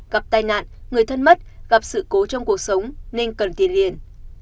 gặp tai nạn người thân mất gặp sự cố trong cuộc sống nên cần tiền liền